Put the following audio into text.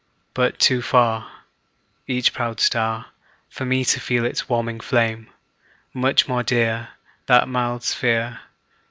But too far Each proud star, For me to feel its warming flame; Much more dear That mild sphere.